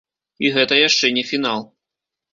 І гэта яшчэ не фінал.